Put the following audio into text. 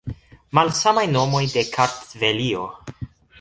Malsamaj nomoj de Kartvelio.